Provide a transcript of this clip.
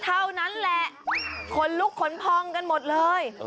เท่านั้นแหละขนลุกขนพองกันหมดเลย